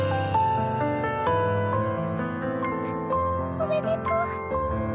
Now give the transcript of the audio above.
おめでとう。